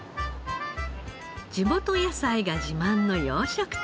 地元野菜が自慢の洋食店。